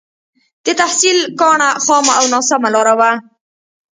د تحصيل کاڼه خامه او ناسمه لاره وه.